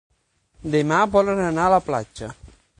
Demà volen anar a la platja.